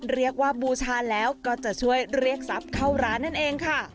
บูชาแล้วก็จะช่วยเรียกทรัพย์เข้าร้านนั่นเองค่ะ